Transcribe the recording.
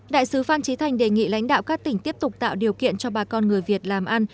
đại sứ phan trí thành đề nghị lãnh đạo các tỉnh tiếp tục tạo điều kiện cho bà con người việt làm ăn